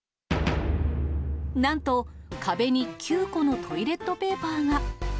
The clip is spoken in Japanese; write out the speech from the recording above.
なんと、壁に９個のトイレットペーパーが。